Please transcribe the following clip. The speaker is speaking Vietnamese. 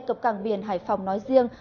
cập cảng biển hải phòng nói riêng